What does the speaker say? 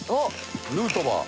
ヌートバー！